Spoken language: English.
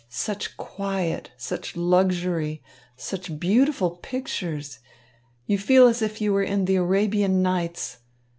Such quiet, such luxury, such beautiful pictures! You feel as if you were in the Arabian Nights.